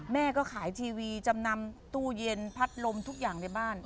แม่ก็ขายทีวีจำนำตู้เย็นพัดลมทุกอย่างในบ้าน